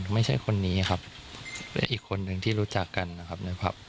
ไม่ใช่คนนี้ครับอีกคนนึงที่รู้จักกันนะครับ